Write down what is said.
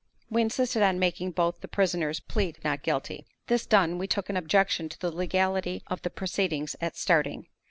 We insisted on making both the prisoners plead not guilty. This done, we took an objection to the legality of the proceedings at starting.